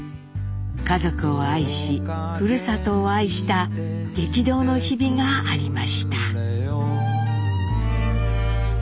家族を愛しふるさとを愛した激動の日々がありました。